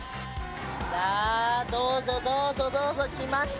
さあどうぞどうぞどうぞ。来ました！